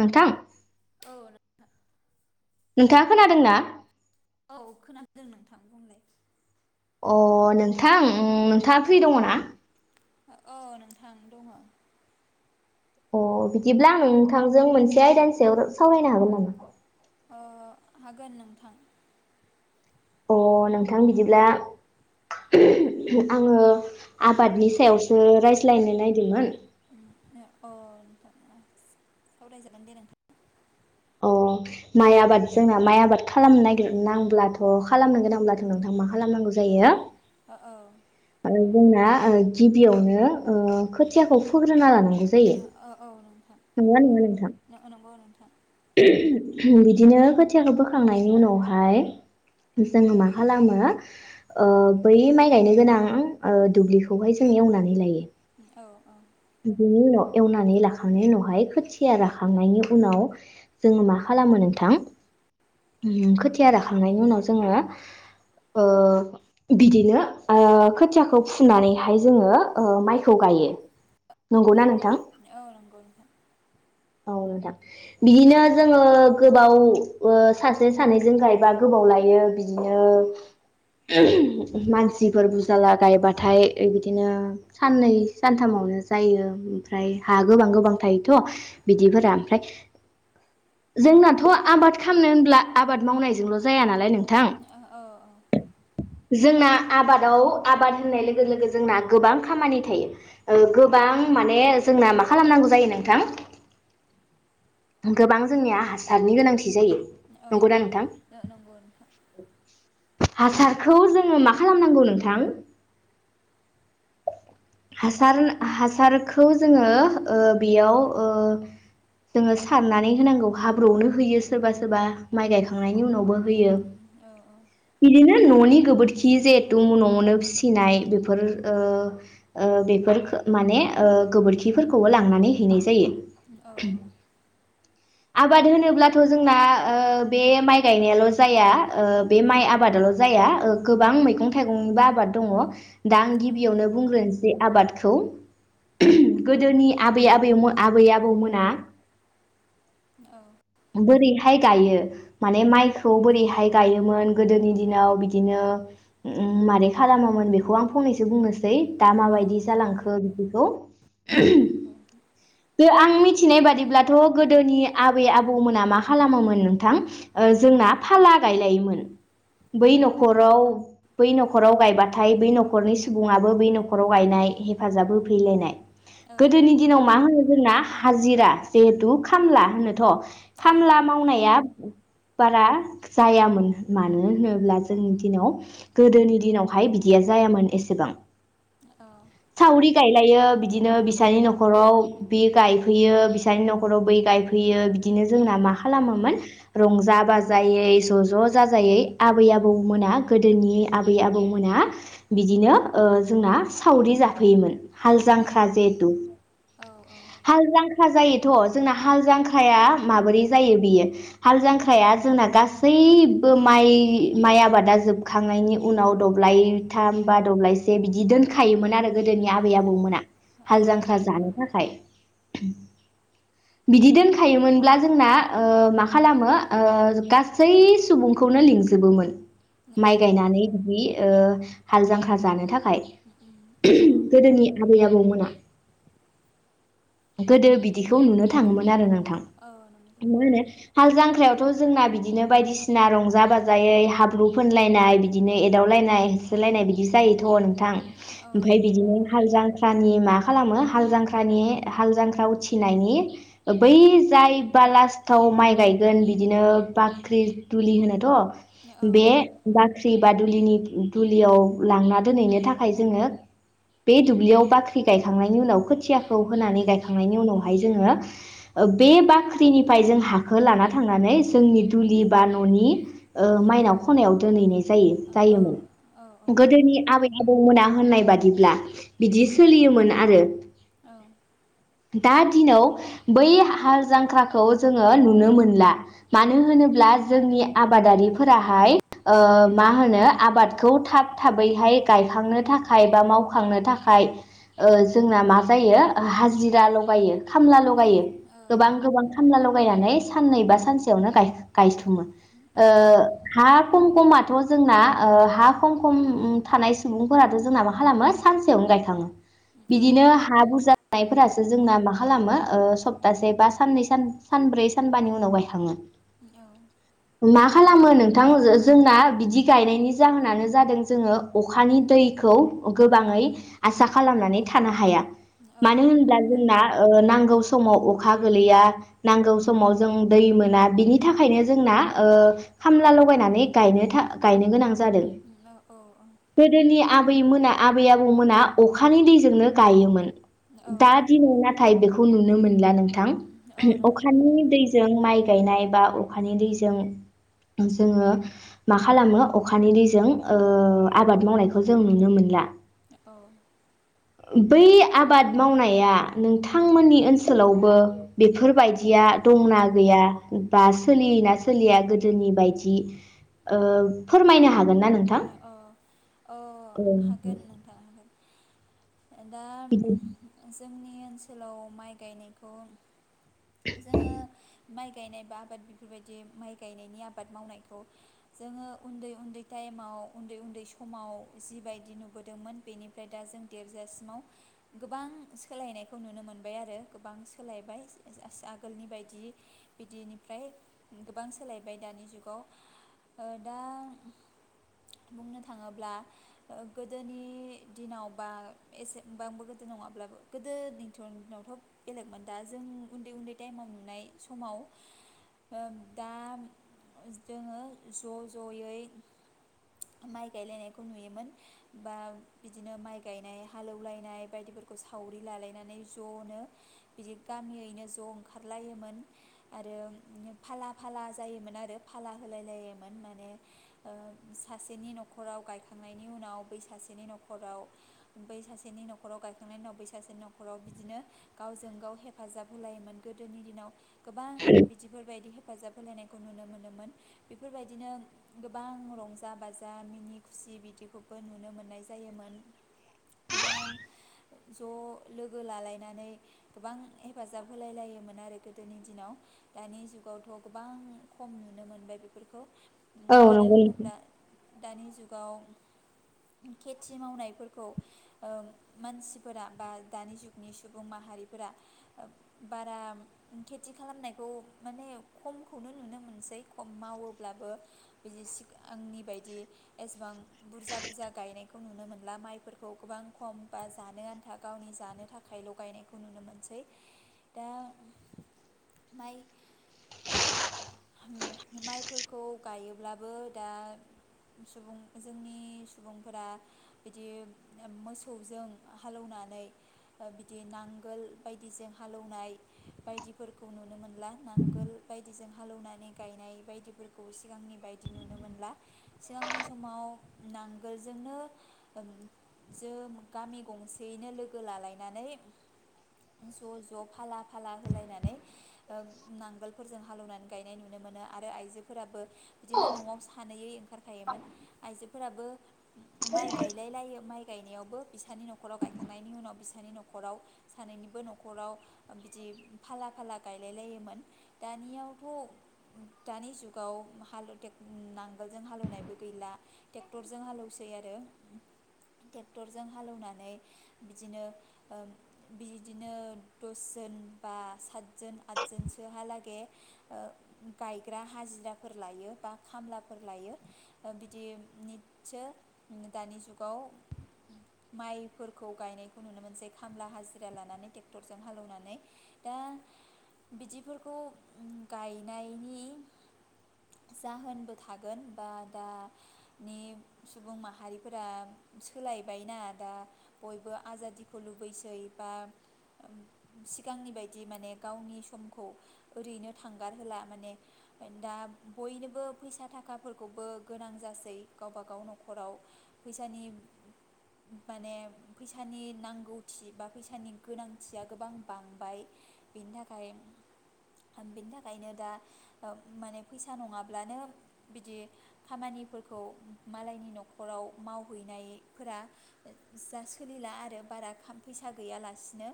नोंथां [unintelligible] नोंथाङा खोनादों ना औ खोनादों नोंथां बुंलाय अ नोंथां नोंथाङा फ्रि दङ ना औ नोंथां दङ। अ बिदिब्ला आं नोंथांजों मोनसे आयदानि सायाव साव-सावरायनो हागोन नामा अ हागोन नोंथां अ नोंथां बिदिब्ला [unintelligible] आङो आबादनि सायावसो रायज्लायनो नायदोंमोन उम ओ अ नोथां ओ सावरायजागोन दे नोंथां अ माइ आबाद जोंना माइ आबाद खालामनो नागिरनांब्लाथ खालामनो गोनांब्लाथ नोंथां मा खा खालामनांगौ जायो औ औ ना जोंना ओ गिबियावनो ओ खोथियाखौ फोग्रो औ औ नोंथांं नंगौना नङा नोंथां नंगौ नंगौ नोंथां। [unintelligible] बिदिनो खोथियाखौ फोखांनायनि उनावहाय जोङो मा खालामो ओ बै माइ गायनो गोनां ओ दुब्लिखौहाय जोंङो एवनानै लायो औ औ बिनि उनाव एवनानै लाखांनायनि उनावहाय खोथिया राखांनायनि उनाव जोङो मा खालामो नोंथां ओ खोथिया राखांनायनि उनाव जोङो ओ बिदिनो ओ खोथियाखौ फुनानैहाय ओ जोङो माइखौ गायो नंगौना नोंथां औ नंगौ नोंथां। औ नोथां बिदिनो जोङो गोबाव ओ सासे सानैजों गायबा गोबाव लायो बिदिनो [unintelligible] ओ मानसिफोर बुरजाला गायबाथाय बिदिनो साननै सानथामावनो जायो ओमफ्राय हा गोबां गोबां थायोथ' बिदिफोरा ओमफ्राय जोंनाथ' आबाद खामनो होनब्ला आबाद मावनायजोंल' जाया ना उम ओ औ औ जोंना आबादाव आबाद होननाय लोगो लोगो जोंना गोबां खामानि थायो ओ गोबां माने जोंना मा खालामनांगौ जायो नोंथां गोबां जोंनिया हासारनि गोनांथि जायो औ नंगौना नोंथां नो-नंगौ नोंथां हासारखौ जोङो मा खालामनांगौ नोंथां हासार हासारखौ जोङो ओ बेयाव ओ जोङो सारनानै होनांगौ हाब्रुआवनो होयो सोरबा सोरबा माइ गायखांनायनि उनावबो होयो बिदिनो न'नि गोबोरखि जिहेथु न'आवनो फिसिनाय बेफोर बेफोर ओ ओ ओ माने गोबोरखिफोरखौबो लांनानै हैनाय जायो औ आबाद होनोब्लाथ जोंना ओ बे माइ गायनायाल' जाया ओ बे माइ आबादाल जाया ओ गोबां मैगं थाइगंनिबो आबाद दङ दा आं गिबियावनो बुंग्रोनस जे आबादखौ [unintelligible] गोदोनि आबै आबै आबै आबौमोन ना औ बोरैहाय गायो माने माइखौ बोरैहाय गायोमोन गोदोनि दिनाव बिदिनो ओ मारै खालामामोन बेखौ आं फंनैसो बुंनोस दा माबायदि जालांखो बिदि [unintelligible] दे आं मि मिथिनाय बादिब्लाथ' गोदोनि आबै आबौमोना मा खालामोमोन नोंथां ओ जोंना फाला गायलायोमोन बै नखराव बै नखराव गायबाथाय बै नखरनि सुबुङाबो बै नखराव गायनाय हेफाजाब होफैलायनाय गोदोनि दिनाव मा होन जोंना हाजिरा जिहेथु खामला होनोथ' खामला मावनाया बारा जायामोन मानो होनोब्ला जोंनि दिनाव गोदोनि दिनावहाय बिदिया जायामोन एसेबां सावरि गायलायो बिदिनो बिसानि नखराव बि गाय फैयो बिसानि नखराव बै गायफैयो बिदिनो जोंना मा खालामोमोन रंजा बाजायै ज'ज' जाजायै आबै आबौमोना गोदोनि आबै आबौमोना बिदिनो ओ जोंना सावरि जाफैयोमोन हालजांख्रा जिहेतु औ औ ख्रा जायोथ' जोंना हाल जांख्राया माबोरै जायो बियो हाल जांख्राया जोंना गासैबो माइ माइ आबादा जोबखांनायनि उनाव दब्लायथाम बा दब्लायसे बिदि दोनखायोमोन आरो गोदोनि औ आबै आबौमोना औ हाल जांख्रा जानो थाखाय [unintelligible] बिदि दोनखायोमोनब्ला जोंना ओ मा खालामो ओ गासै सुबुंखौनो लिंजोबोमोन औ माइ गायनानै बिदि ओ हाल जांख्रा जानो थाखाय खाय [unintelligible] गोदोनि आबै आबौमोन [inaudible] गोदो बिदिखौ नुनो थाङोमोन आरो ना औ नंगौ [unintelligible] मा नोंथां होनो हाल जांख्रायावथ' जोंना बिदिनो बायदिसिना रंजा बाजायै हाब्रु फोनलायनाय बिदिनो एदावलायनाय होसोलायनाय बिदि जायोथ' नों थां औ ओमफ्राय नंगौ नोंथां बिदिनो हालजांख्रा नि मा खालामो हाल जांख्रानि हाल जांख्रा उथिनायनि बै जाय बा लास्टआव माइ गायगोन बिदिनो बाख्रि दुलि औ होनोथ' बे बाख ख्रि बा दुलिनि दुलियाव लांना दोनहैनो थाखाय जोङो बे दुब्लियाव बाख्रि गायखांनायनि उनाव खोथियाखौ होनानै गायखांनायनि उनावहाय जोङो ओ बे बाख्रिनिफ्राय जों हाखौ लाना थांनानै जोंनि दुलि बा न'नि ओ माइनाव खनायाव दोनहैनाय जा जायो औ जायोमोन गोदोनि आबै गुबुना होननाय बादिब्ला बिदि सोलियोमोन आरो औ दा दिनाव बै हाल जांख्राखौ जोङो नुनो मोनला मानो होनोब्ला जोंनि आबादारिफोराहाय ओ मा होनो आबादखौ थाब थाबैहाय गायखांनो थाखाय बा मावखांनो थाखाय ओ जोंना मा जायो हाजिरा लगायो खामला लगायो औ गोबां गोबां खामला ल'गा बायनानै साननै बा सानसेयावनो गाय-गायस्लुमो ओ नंगौ नोंथां हाब खम खमाथ' जोंना ओ हा खम खम थानाय सुबुंफोराथ' जोंना मा खालामो सानसेयावनो गायखाङो बिदिनो औ हा बुरजा फोरासो जोंना मा खालामो सप्तासे बा साननै सान-सानब्रै सानबानि उनाव गायखाङो औ मा खालामो नोंथां जो-जोंना बिदि गायनायनि जाहोनानो जादों जोङो अखानि दैखौ गोबाङै आसा खालामनानै थानो हाया औ मानो नंगौ होनब्ला जोंना ओ नांगौ समाव अखा गोलैया नांगौ समाव जों दै मोना बिनि थाखायनो जोंना ओ खामला लगायनानै गायनो था गायनो गोनां जा जादों नोंथां गोदोनि आब आबैमोना आबै आबौमोना अखानि दैजोंनो गायोमोन दा दिनै नाथाय बेखौ खौ नुनो मोन ला नोंथां अखानि दैजों माइ गायनाय बा अखानि दैजों जोङो मा खालामो अखानि दैजों ओ आबाद मावनायखौ जों नुनो मोनला औ बै आबाद मावनाया नोंथांमोननि ओनसोलावबो बेफोरबायदिया दंना गैया बा सोलियोना सोलिया गोदोनि बायदि ओ फोरमायनो हाग गोनना नोथां अ हागोन नोंथां हागोन दा उम जोंनि जोंनि ओनसोलाव माइ गायनायखौ जोङो माइ गायनाय बा आबाद बेफोरबायदि माइ गायनायनि आबाद मावनायखौ जोङो उन्दै उन्दै टाइमाव उन्दै उन्दै समाव जिबायदि नुबोदोंमोन बेनिफ्राय दा जों देरजासिमाव गोबां सोलायनायखौ नुनो मोनबाय आरो गोबां सोलायबाय ओस ओस आगोलनि बायदि बिदिनिफ्राय गोबां सोलायबाय दानि जुगाव ओ दा बुंनो थाङोब्ला गोदोनि दिनाव बा एसेबांबो गोदो नङाब्लाबो गोदोनिथ' नि दिनावथ' बेलेगमोन दा जों उन्दै उन्दै टाइमाव नुनाय समाव दा जोङो ज' जयै माइ गायलायनायखौ नुयोमोन बा बिदिनो माइ गायनाय हालौलायनाय बायदिफोरखौ सावरि लालायनानै ज'नो बिदि गामियैनो ज' ओंखारलायोमोन आरो फाला फाला जायोमोन आरो फाला होलायलायोमोन माने ओ सासेनि नखराव गायखांनायनि उनाव बै सासेनि नखराव बै सासेनि नखराव गायखांनायनि उनाव बै सासेनि नखराव बिदिनो गावजों गाव हेफाजाब होलायोमोन गोदोनि दिनाव गोबां बिदिफोरबायदि हे हेफाजाब होलायनायखौ नुनो मोनोमोन बेफोरबायदिनो गोबां रंजा जा बाजा मिनि खुसि बिदिखौबो नुनो मोननाय जायोमोन गोबां ज' लोगो लालायनानै गोबां हेफाजाब होलाय लायोमोन आरो गोदोनि दिनाव दानि जुगावथ' गोबां खम नुनो मोनबाय बे [inaudible] औ नंगौ नोंथां दानि जुगाव खेथि मावनायफोरखौ ओ मानसिफोरा बा दानि जुगनि सुबुं माहारिफोरा बारा खेथि खालामनायखौ माने खमखौनो नुनो मोनसै खम मावोब्लाबो बिदि सिगांनि बायदि एसेबां बुरजा बुरजा गायनायखौ नुनो मोनला माइफोरखौ गोबां खम बा जानो आन्था गावनि जानो थाखायल' गायनायखौ नुनो मोनसै दा माइ [inaudible] दा सुबुं जोंनि सुबुंफोरा बिदि ओ मोसौजों हालौनानै बिदि नांगोल बायदिजों हालौनाय बायदिफोरखौ नुनो मोनला नांगोल बायदिजों हालौवनानै गायनाय बायदिफोरखौ सिगांनि बायदि नुनो मोनला सिगांनि समाव नांगोलजोंनो ओ जों गामि गंसेयैनो लोगो लालायनानै ज' ज' फाला फाला होलायनानै नांगोलफोरजों हालौ गायनाय नुनो मोनो आरो आइजोफोराबो बिदिनो न'आव सानैैयै ओंखारखायोमोन आइजो फोराबो माइ गायलायलायो माइ गायनायावबो बिसानि नखराव गायखांनायनि उनाव बिसानि नखराव सानैनिबो नखराव बिदि फाला फाला गाय [unintelligible] लायोमोन दानियाव थ दानि जुगाव हालु टेक नांगोलजों हालेवनायबो गैला ट्रेक्टरजों हालौवसै आरो ट्रेक्टरजों हालेवनानै बिदिनो ओ बिदिनो दसजोन बा सातजोन आदजोनसोहालागे ओ गायग्रा हाजिराफोर लायो बा खामलाफोर लायो ओ बिदिनिसो दानि जुगाव माइफोरखौ गायनायखौ नुनो मोनसै खामला हाजिरा लानानै ट्रेक्टरजों हालेवनानै दा बिदिफोरखौ गायनायनि जाहोनबो थागोन बा दा नि सुबुं माहारिफोरा सोलायबायना दा बयबो आजादिखौ लुबैसै बा सिगांनि बायदि माने गावनि समखौ ओरैनो थांगारहोला माने दा बयनोबो फैसा थाखाफोरखौबो गोनां जासै गावब गाव नखराव फैसानि माने फैसानि नांगौथि बा फैसानि गोनांथिया गोबां बांबाय बेनि थाखाय बिनि थाखायनो दा माने फैसा नङाब्लानो बिदि खामानिफोरखौ मालायनि नखराव मावहैनाय फोरा जा सोलिला आरो बारा फैसा गैयालासिनो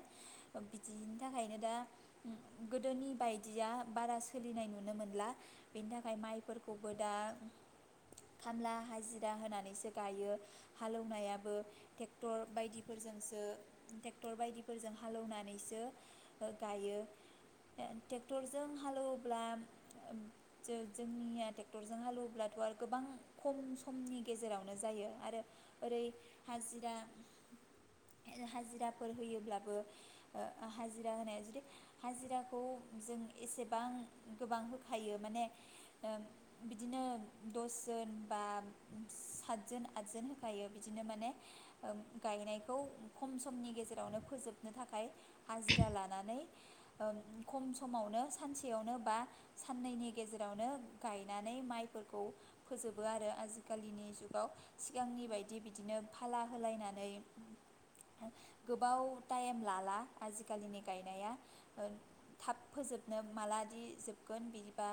बिदिनि थाखायनो दा गोदोनि बाय दिया बारा सोलिनाय नुनो मोनला बेनि थाखाय माइफोरखौबो दा खामला हाजिरा होनानैसो गायो हालौनायाबो ट्रेक्टर बायदिफोरजोंसो ट्रेक्टर बायदिफोरजों हालेनानैसो गायो इ ट्रेक्टरजों हालेवोब्ला जोंनिया ट्रेक्टरजों हालेवोब्लाथ आरो गोबां खम समनि गेजेरावनो जायो आरो ओरै हाजिरा हाजिराफोर होयोब्लाबो ओ हाजिरा होनाया जुदि हाजिराखौ जों एसेबां गोबां होखायो माने बिदिनो दसजोन बा सातजोन आदजोन होखायो बिदिनो माने ओ गायनायखौ खम समनि गेजेरावनो फोजोबनो थाखाय हाजिरा लानानै ओ खम समावनो सानसेयावनो बा साननैनि गेजेरावनो गायनानै माइफोरखौ फोजोबो आरो आजिखालिनि जुगाव सिगांनि बायदि बिदिनो फाला होलायनानै गोबाव टाइम लाला आजिखालिनि गायनाया ओ थाब फोजोबनो मालादि जोबगोन बिदिबा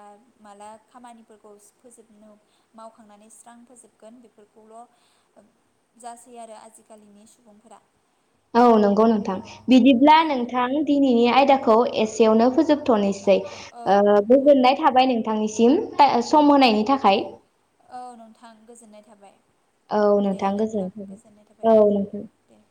माला खामानिफोरखौ फोजोबनो मावखांनानै स्रां फोजोबगोन बेफोरखौल जासै आरो आजिखालिनि सुबुंफोरा। नोंथां औ बिदिब्ला नंगौ नोंथां दिनैनि आयदाखौ खौ एसेयावनो फोजोब थ निसै औ ओ नोंथां गोजोननाय थाबाय नोंथांनिसि [unintelligible] सम होनायनि थाखाय। औ नोंथां गोजोननाय थाबाय। औ दे नोंथां गोजोन [unintelligible] गोजोननाय थाबाय ओ औ नोंथां। दे